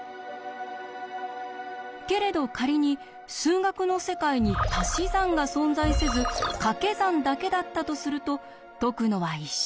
けれど仮に数学の世界にたし算が存在せずかけ算だけだったとすると解くのは一瞬です。